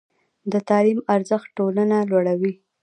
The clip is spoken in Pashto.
د تعلیم ارزښت ټولنه لوړوي.